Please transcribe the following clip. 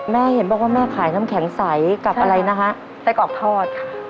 แม่เห็นบอกว่าแม่ขายน้ำแข็งใสกับอะไรนะฮะไส้กรอกทอดค่ะ